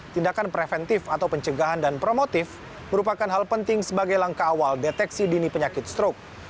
tindakan preventif atau pencegahan dan promotif merupakan hal penting sebagai langkah awal deteksi dini penyakit stroke